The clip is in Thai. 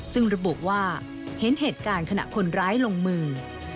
ซึ่งระบุว่าเห็นเหตุการณ์ขณะคนร้ายลงมือ